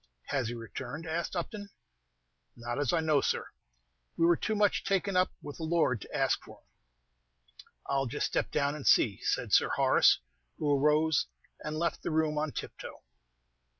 "Has he returned?" asked Upton. "Not as I know, sir. We were too much taken up with the lord to ask for him." "I 'll just step down and see," said Sir Horace, who arose, and left the room on tiptoe.